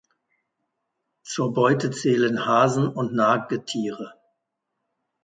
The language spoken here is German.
Zur Beute zählen Hasen und Nagetiere.